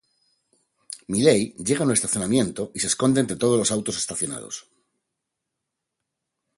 Miley llega a un estacionamiento y se esconde entre todos los autos estacionados.